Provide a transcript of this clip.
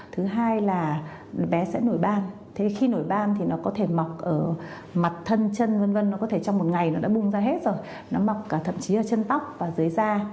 thứ hai là bé sẽ nổi ban khi nổi ban thì nó có thể mọc ở mặt thân chân nó có thể trong một ngày nó đã bung ra hết rồi nó mọc cả thậm chí ở chân tóc và dưới da